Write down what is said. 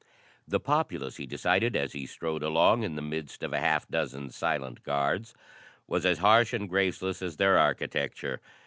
The populace, he decided, as he strode along in the midst of half a dozen silent guards, were as harsh and graceless as their architecture.